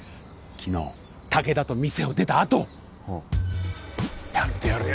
昨日武田と店を出たあとやってやるよ